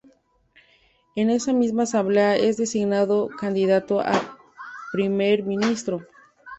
En esa misma asamblea es designado candidato a Primer Ministro.